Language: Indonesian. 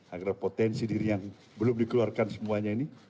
agar potensi diri yang belum dikeluarkan semuanya ini